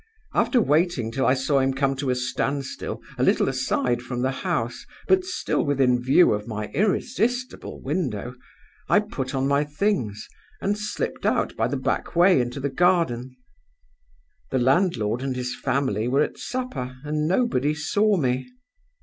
After waiting till I saw him come to a standstill, a little aside from the house, but still within view of my irresistible window, I put on my things and slipped out by the back way into the garden. The landlord and his family were at supper, and nobody saw me.